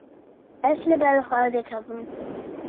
Ez li ber xwe dikevim.